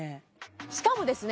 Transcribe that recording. しかもですね